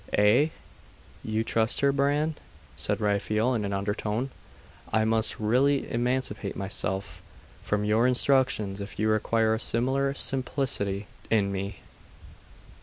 'Eh? You trust her, Bran?' said Raphael, in an undertone. 'I must really emancipate myself from your instructions if you require a similar simplicity in me.